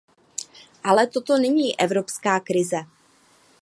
Ale toto není evropská krize.